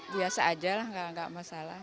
biasa aja lah nggak masalah